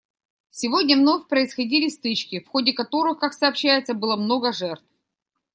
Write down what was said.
Сегодня вновь происходили стычки, в ходе которых, как сообщается, было много жертв.